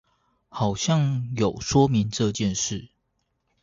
好像有說明這件事